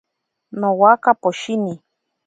Nowaka poshini.